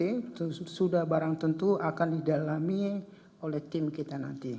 itu sudah barang tentu akan didalami oleh tim kita nanti